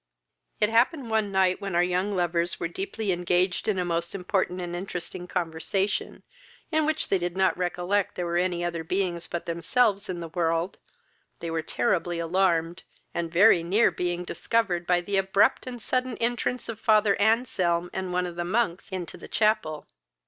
] It happened one night, when our young lovers were deeply engaged in a most important and interesting conversation, in which they did not recollect there were any other beings but themselves in the world, they were terribly alarmed, and very near being discovered by the abrupt and sudden entrance of father Anselm, and one of the monks, into the chapel.